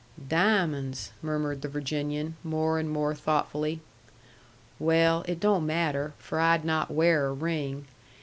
"Diamonds," murmured the Virginian, more and more thoughtfully. "Well, it don't matter, for I'd not wear a ring.